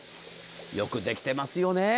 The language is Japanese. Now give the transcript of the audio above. よくできてますよね。